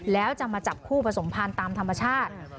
แล้วจะมาจับคู่ผสมพันธุ์ตามธรรมชาติ